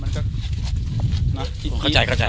มันก็เข้าใจ